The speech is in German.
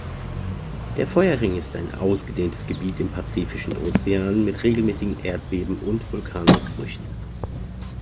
Der Feuerring ist ein ausgedehntes Gebiet im Pazifischen Ozean mit regelmäßigen Erdbeben und Vulkanausbrüchen.